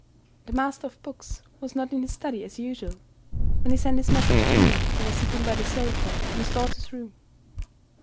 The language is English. "The Master of Books" was not in his study, as usual. When he sent his message to me, he was sitting by the sofa in his daughter's room.